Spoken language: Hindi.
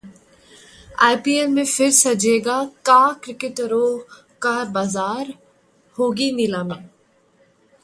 आईपीएल में फिर सजेगा का क्रिकेटरों का बाजार, होगी नीलामी